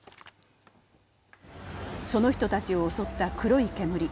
その人たちを襲った黒い煙。